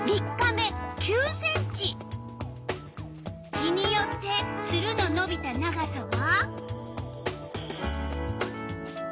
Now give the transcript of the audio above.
日によってツルののびた長さは？